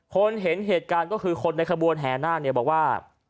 คนเห็นเหตุการณ์ก็คือคนในขบวนแห่หน้าบอกว่า